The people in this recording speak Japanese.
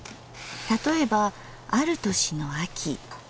例えばある年の秋。